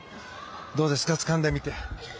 どうですか、つかんでみて。